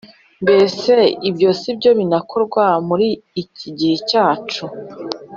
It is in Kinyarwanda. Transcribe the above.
Mbese ibyo sibyo binakorwa muri iki gihe cyacu?